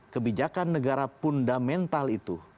kebijakan negara fundamental itu